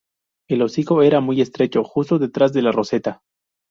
El hocico era muy estrecho, justo detrás de la roseta.